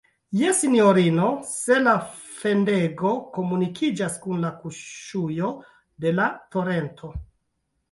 Jes, sinjorino, se la fendego komunikiĝas kun la kuŝujo de la torento.